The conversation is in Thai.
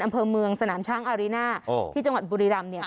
อำเภอเมืองสนามช้างอาริน่าที่จังหวัดบุรีรำ